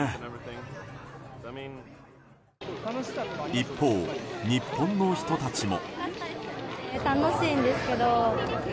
一方、日本の人たちも。